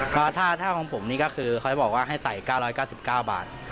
ก็ถ้าของผมนี่ก็คือเขาจะบอกว่าให้ใส่๙๙๙บาท